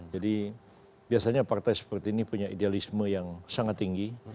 jadi biasanya partai seperti ini punya idealisme yang sangat tinggi